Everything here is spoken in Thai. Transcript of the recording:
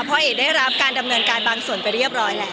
เพราะเอกได้รับการดำเนินการบางส่วนไปเรียบร้อยแล้ว